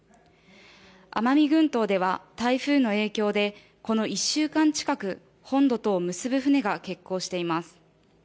奄美群島では台風の影響でこの１週間近く、本土とを結ぶ船が欠航しています。